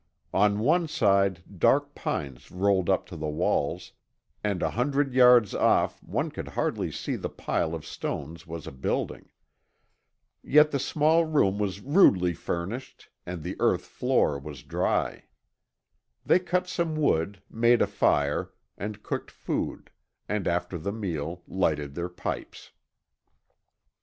On one side dark pines rolled up to the walls, and a hundred yards off one could hardly see the pile of stones was a building. Yet the small room was rudely furnished and the earth floor was dry. They cut some wood, made a fire, and cooked food, and after the meal lighted their pipes.